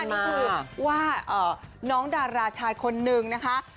นี่คือว่าน้องดาราชายคนนึงนะคะ